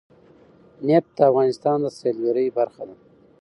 نفت د افغانستان د سیلګرۍ برخه ده.